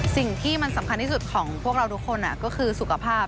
สิ่งที่มันสำคัญที่สุดของพวกเราทุกคนก็คือสุขภาพ